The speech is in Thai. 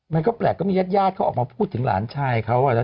มันก็แปลกก็มีแยดเขาออกมาพูดถึงหลานชายเขาอ่ะ